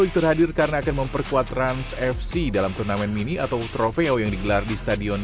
itu hadir karena akan memperkuat ranz fc dalam turnamen mini atau trofeo yang digelar di stadion